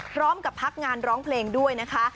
พร้อมกับพักงานร้องเพลงด้วยนะคะ